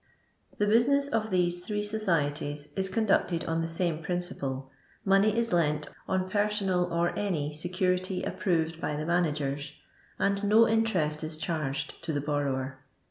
The business of these three societies is con ducted on the same principle. Money is lent on personal or any security approved by the managers, and no interest is charged to the borrower.